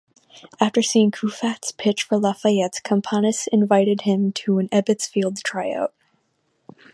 After seeing Koufax pitch for Lafayette, Campanis invited him to an Ebbets Field tryout.